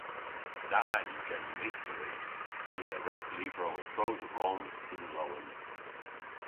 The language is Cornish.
Da yw genen istori. Ni a red lyvrow a-dro dhe Rom yn lowen.